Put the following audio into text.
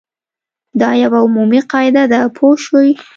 دا یوه عمومي قاعده ده پوه شوې!.